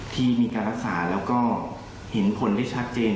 ที่มีการรักษาแล้วก็เห็นผลได้ชัดเจน